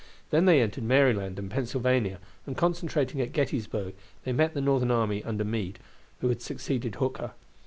Then they entered Maryland and Pennsylvania, and concentrating at Gettysburg they met the Northern army under Meade, who had succeeded Hooker.